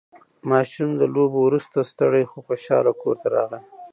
ماشوم له لوبو وروسته ستړی خو خوشحال کور ته راغی